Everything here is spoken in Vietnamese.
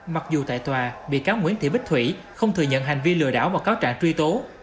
mặc dù tại tòa bị cáo nguyễn thị bích thủy không thừa nhận hành vi lừa đảo và cáo trạng truy tố